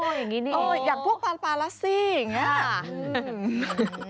อย่างนี้นี่อย่างพวกปานปาลัสซี่อย่างนี้ค่ะ